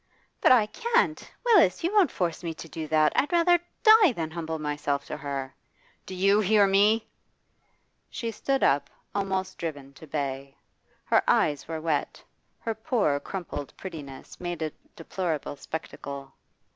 'But I can't! Willis, you won't force me to do that? I'd rather die than humble myself to her.' 'Do you hear me?' She stood up, almost driven to bay. Her eyes were wet, her poor, crumpled prettiness made a deplorable spectacle.